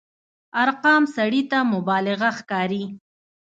ارقام سړي ته مبالغه ښکاري.